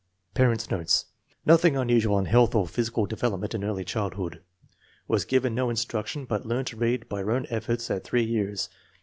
Parents 9 notes. Nothing unusual in health or physi cal development in early childhood. Was given no in struction, but learned to read by her own efforts at three years.